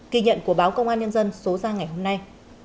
kỳ nhận của báo công an nhân dân số ra ngày hôm nay